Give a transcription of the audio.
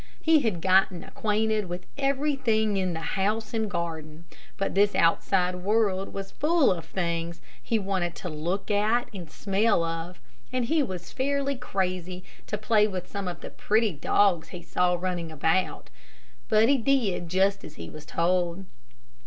He had gotten acquainted with everything in the house and garden, but this outside world was full of things he wanted to look at and smell of, and he was fairly crazy to play with some of the pretty dogs he saw running about. But he did just as he was told.